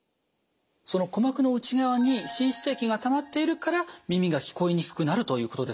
その鼓膜の内側に滲出液がたまっているから耳が聞こえにくくなるということですか。